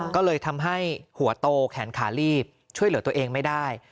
ก็เลยทำให้หัวโตแขนขาลีบช่วยเหลือตัวเองไม่ได้